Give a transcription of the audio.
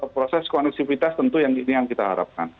proses koneksivitas tentu yang ini yang kita harapkan